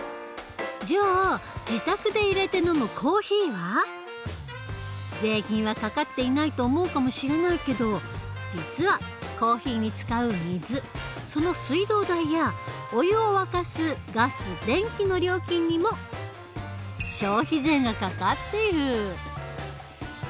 じゃあ税金はかかっていないと思うかもしれないけど実はコーヒーに使う水その水道代やお湯を沸かすガス電気の料金にも消費税がかかっている。